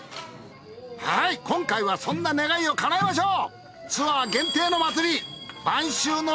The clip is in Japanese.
はい今回はそんな願いをかなえましょう。